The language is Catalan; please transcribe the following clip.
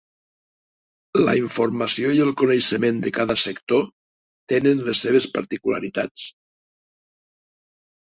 La informació i el coneixement de cada sector tenen les seves particularitats.